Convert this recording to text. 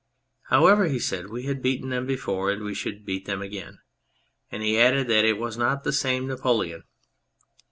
However, he said, we had beaten them before and we should beat them again ; and he added that it was not the same Napoleon.